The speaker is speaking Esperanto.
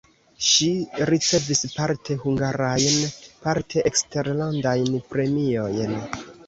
Ŝi ricevis parte hungarajn, parte eksterlandajn premiojn.